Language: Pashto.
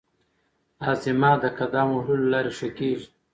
هاضمه د قدم وهلو له لارې ښه کېږي.